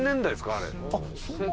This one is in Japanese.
あれ。